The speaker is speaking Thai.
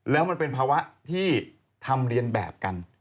แล้วมันเป็นภาวะที่ทำเรียนแบบกัน